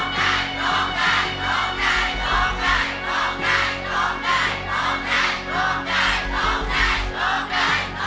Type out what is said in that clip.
โทษใจโทษใจโทษใจโทษใจ